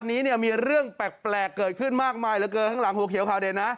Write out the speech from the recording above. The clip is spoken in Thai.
วันนี้เนี่ยมีเรื่องแปลกเกิดขึ้นมากมายเหลือเกินข้างหลังหัวเขียวข่าวเด็ดนะ